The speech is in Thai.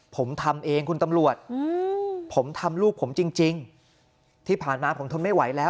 ผมทำเองคุณตำรวจผมทำลูกผมจริงจริงที่ผ่านมาผมทนไม่ไหวแล้ว